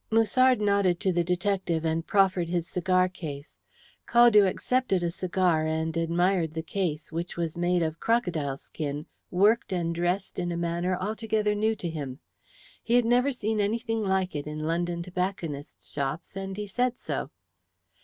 Musard nodded to the detective and proffered his cigarcase. Caldew accepted a cigar and admired the case, which was made of crocodile skin, worked and dressed in a manner altogether new to him. He had never seen anything like it in London tobacconists' shops, and he said so.